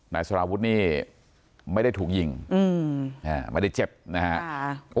สารวุฒินี่ไม่ได้ถูกยิงไม่ได้เจ็บนะฮะ